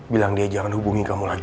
bilang dia jangan hubungi kamu lagi